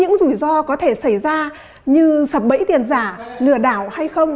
những rủi ro có thể xảy ra như sập bẫy tiền giả lừa đảo hay không